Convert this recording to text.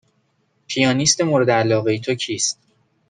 پیانیست مورد علاقه تو کیست؟